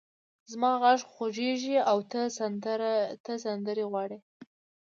زما غږ خوږېږې او ته سندرې غواړې!